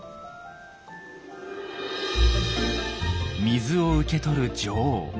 水を受け取る女王。